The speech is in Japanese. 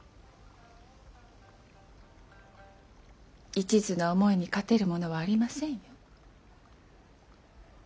一途な思いに勝てるものはありませんよ。